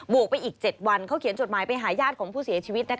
วกไปอีก๗วันเขาเขียนจดหมายไปหาญาติของผู้เสียชีวิต